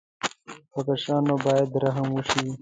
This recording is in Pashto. په کشرانو باید رحم وشي.